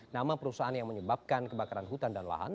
nama perusahaan yang menyebabkan kebakaran hutan dan lahan